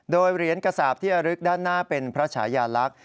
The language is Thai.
โดยเหรียญกระสาปที่ระลึกด้านหน้าเป็นพระชายาลักษณ์